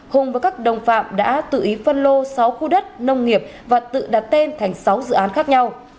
hùng và các đồng phạm đã tự ý phân lô sáu khu đất nông nghiệp và tự đặt tên thành sáu dự án khác nhau